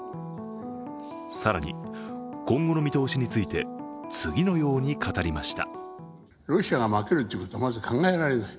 更に、今後の見通しについて次のように語りました。